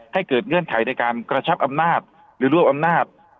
เกิดเงื่อนไขในการกระชับอำนาจหรือรวบอำนาจ